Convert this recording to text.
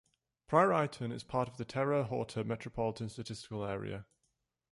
Prairieton is part of the Terre Haute Metropolitan Statistical Area.